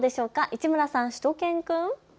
市村さん、しゅと犬くん。